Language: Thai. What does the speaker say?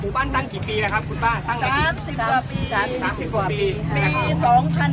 หมู่บ้านตั้งอีกปีละครับคุณป้า